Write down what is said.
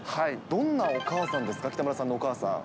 どんなお母さんですか、北村さんのお母さんは。